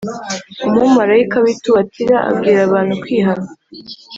umumarayika w i Tuwatira abwira abantu kwihana